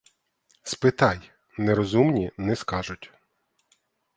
Спитай — нерозумні не скажуть.